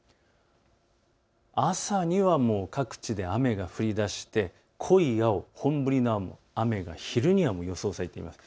朝にはもう各地で雨が降りだして濃い青、本降りの雨が昼には予想されています。